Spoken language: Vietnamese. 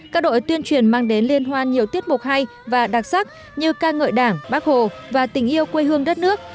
các đội tuyên truyền mang đến liên hoan nhiều tiết mục hay và đặc sắc như ca ngợi đảng bác hồ và tình yêu quê hương đất nước